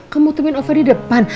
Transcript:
kamu temuin ova di depan